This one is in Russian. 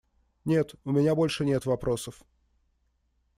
Нет, у меня больше нет вопросов.